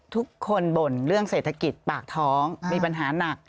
คนบ่นเรื่องเศรษฐกิจปากท้องมีปัญหาหนัก